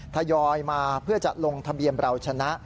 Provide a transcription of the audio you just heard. ทยอยมาเพื่อจะลงทะเบียนเราชนะ